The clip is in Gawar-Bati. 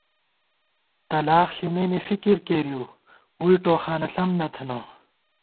تلاخ ݪِمېنے فِکر کېرِؤ ووئی ٹوخانہ ݪم نہ تھنہ